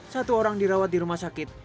satu orang dirawat di rumah sakit